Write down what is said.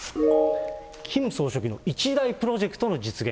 キム総書記の一大プロジェクトの実現。